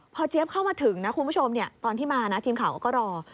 พอเจี๊ยบเข้ามาถึงนะคุณผู้ชมตอนที่มานะทีมข่าวก็รอ